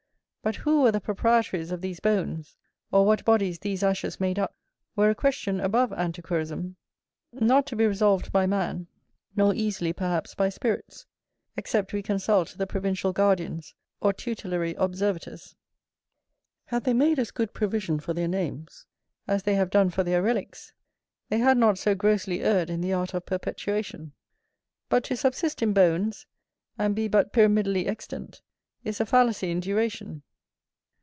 But who were the proprietaries of these bones, or what bodies these ashes made up, were a question above antiquarism; not to be resolved by man, nor easily perhaps by spirits, except we consult the provincial guardians, or tutelary observators. Had they made as good provision for their names, as they have done for their relicks, they had not so grossly erred in the art of perpetuation. But to subsist in bones, and be but pyramidally extant, is a fallacy in duration.